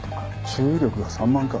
注意力が散漫か。